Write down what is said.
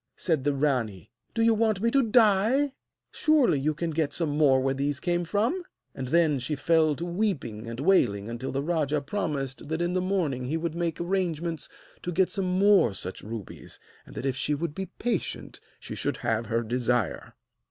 said the rani; 'do you want me to die? Surely you can get some more where these came from?' And then she fell to weeping and wailing until the rajah promised that in the morning he would make arrangements to get some more such rubies, and that if she would be patient she should have her desire.